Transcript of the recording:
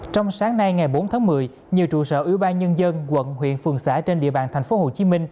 trong sáng nay ngày bốn tháng một mươi nhiều trụ sở ủy ban nhân dân quận huyện phường xã trên địa bàn tp hcm